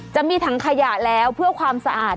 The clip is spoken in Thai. จะมีถังขยะแล้วเพื่อความสะอาด